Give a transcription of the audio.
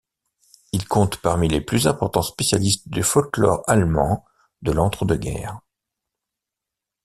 Il compte parmi les plus importants spécialistes du folklore allemand de l'entre-deux-guerres.